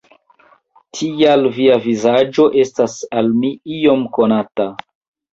Tial via vizaĝo estas al mi iom konata.